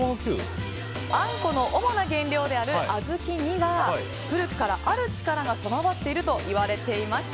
あんこの主な原料である小豆には古くからある力が備わっているといわれていました。